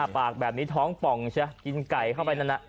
ปากแบบนี้ท้องป่องใช่ไหมกินไก่เข้าไปนั่นน่ะ